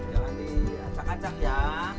jangan diacak acak ya